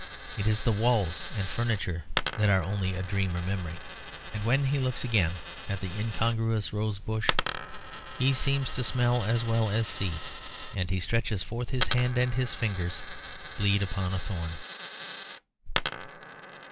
It is the walls and furniture that are only a dream or memory. And when he looks again at the incongruous rose bush, he seems to smell as well as see; and he stretches forth his hand, and his finger bleeds upon a thorn.